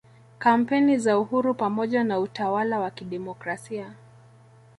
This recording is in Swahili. kampeni za uhuru pamoja na utawal wa kidemokrasia